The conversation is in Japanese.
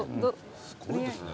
すごいですね。